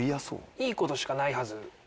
いい事しかないはず。